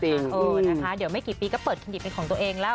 เออนะคะเดี๋ยวไม่กี่ปีก็เปิดเครดิตเป็นของตัวเองแล้ว